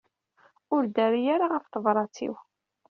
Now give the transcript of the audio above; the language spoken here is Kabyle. Ur d-terri ara ɣef tebṛat-iw.